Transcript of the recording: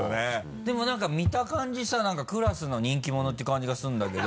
でも何か見た感じさクラスの人気者って感じがするんだけど。